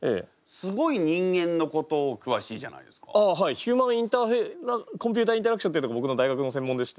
ヒューマン・コンピューター・インタラクションっていうのが僕の大学の専門でして。